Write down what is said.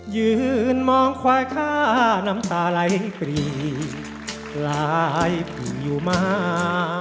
ยืนมองคว้ายข้าน้ำตาไหลกรีบรายผิวมา